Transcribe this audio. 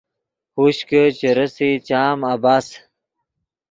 ہوش کہ چے رېسئے چام عبث